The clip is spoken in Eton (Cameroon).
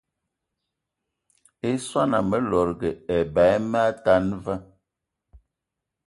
I swan ame lòdgì eba eme atan va